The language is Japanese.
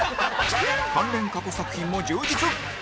関連過去作品も充実